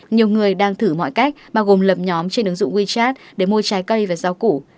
nhiều người đang thử mọi cách bao gồm lập nhóm trên ứng dụng wechat để mua trái cây và rau củ